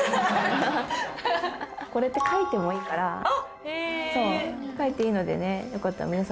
これって書いてもいいからあっへえっ書いていいのでねよかったら皆さんもね